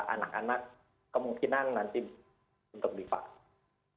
anak anak kemungkinan nanti untuk divaksin